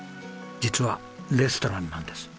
実はレストランなんです。